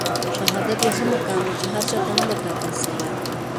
شهادت يو ښه مقام دی چي هر چاته نه دی ټاکل سوی.